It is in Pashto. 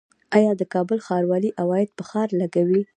آیا د کابل ښاروالي عواید په ښار لګوي؟